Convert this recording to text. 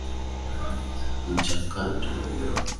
mchakato wa kukiendeleza polepo Kiswahili hakikupewa nafasi